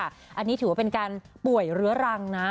อันนี้ถือว่าเป็นการป่วยเรื้อรังนะ